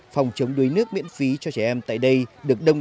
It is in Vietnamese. phòng chống đuối nước miễn phí cho trẻ em tại đây được đông đảo